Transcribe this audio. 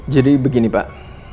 jadi begini pak